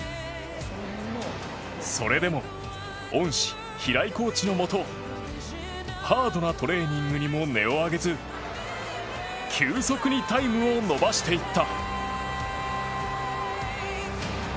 それでも恩師・平井コーチのもとハードなトレーニングにも音を上げず急速にタイムを伸ばしていった。